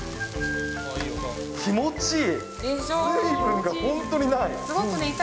気持ちいい。